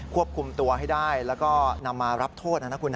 ควบคุมตัวให้ได้แล้วก็นำมารับโทษนะนะคุณ